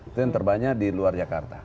itu yang terbanyak di luar jakarta